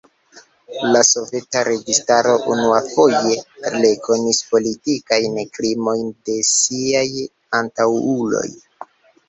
La soveta registaro unuafoje rekonis politikajn krimojn de siaj antaŭuloj.